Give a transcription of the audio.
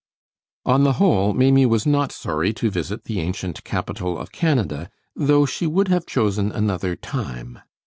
On the whole, Maimie was not sorry to visit the ancient capital of Canada, though she would have chosen another time.